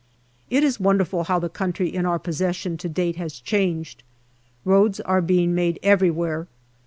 It is wonderful how the country in our possession to date has changed. Roads are being made everywhere.